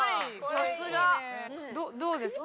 さすが！どうですか？